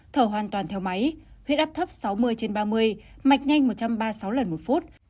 thở hoàn toàn theo máy huyết áp thấp sáu mươi trên ba mươi mạch nhanh một trăm ba mươi sáu lần một phút